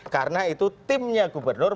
karena itu timnya gubernur